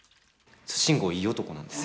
慎吾いい男なんです。